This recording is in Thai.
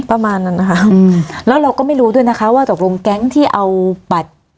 ประมาณนั้นนะคะอืมแล้วเราก็ไม่รู้ด้วยนะคะว่าตกลงแก๊งที่เอาบัตร